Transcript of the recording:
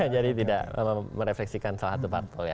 jadi tidak merefleksikan salah satu parpol ya